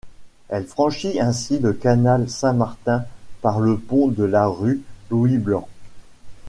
Elle franchit ainsi le canal Saint-Martin par le pont de la rue Louis-Blanc.